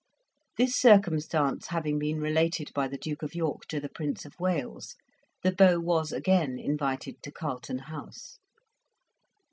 This circumstance having been related by the Duke of York to the Prince of Wales, the beau was again invited to Carlton House.